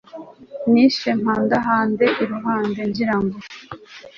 nishe mpandahande i ruhande ngirango